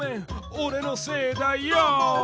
おれのせいだヨー！